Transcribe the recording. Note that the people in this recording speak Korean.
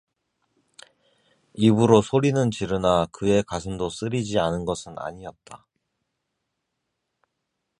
입으로 소리는 지르나 그의 가슴도 쓰리지 않은 것은 아니었다.